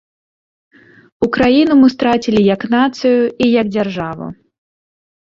Украіну мы страцілі як нацыю і як дзяржаву.